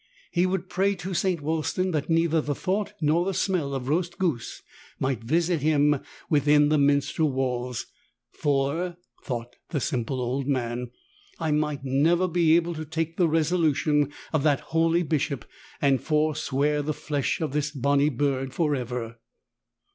He would pray to St. Wulstan that neither the thought nor the smell of roast goose might visit him within the minster walls. 'Tor,'' thought the simple old man, 'T might never be able to take the resolution of that holy Bishop, and forswear the flesh of this bonny bird for ever."